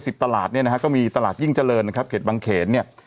ตลาดเนี่ยนะฮะก็มีตลาดยิ่งเจริญนะครับเขตบางเขนเนี่ย